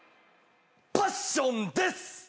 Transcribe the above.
パッションです！